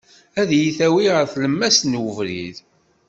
Ad iyi-tawi ɣer tlemmast n ubrid.